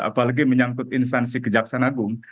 apalagi menyangkut instansi kejaksaan agung